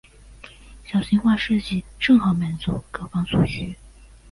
小型化设计正好满足各方所需。